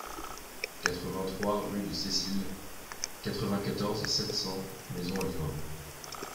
quatre-vingt-trois rue de Cécile, quatre-vingt-quatorze, sept cents, Maisons-Alfort